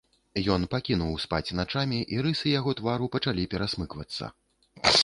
Ён пакінуў спаць начамі, і рысы яго твару пачалі перасмыквацца.